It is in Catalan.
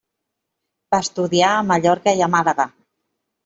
Va estudiar a Mallorca i a Màlaga.